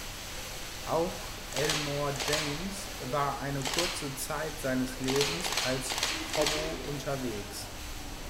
Auch Elmore James war eine kurze Zeit seines Lebens als Hobo unterwegs.